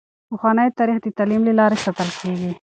پخوانی تاریخ د تعلیم له لارې ساتل کیږي.